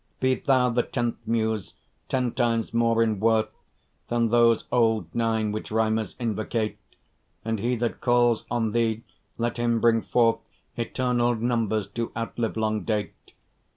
Be thou the tenth Muse, ten times more in worth Than those old nine which rhymers invocate; And he that calls on thee, let him bring forth Eternal numbers to outlive long date.